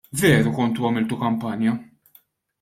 Veru kontu għamiltu kampanja.